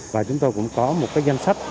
và chúng tôi cũng có một danh sách